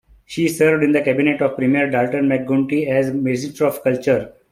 She served in the cabinet of Premier Dalton McGuinty as Minister of Culture.